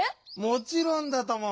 もちろんだとも！